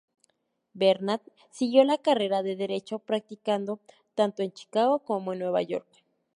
Bernard siguió la carrera de derecho practicando tanto en Chicago como en Nueva York.